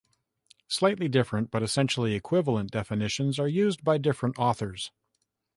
Slightly different but essentially equivalent definitions are used by different authors.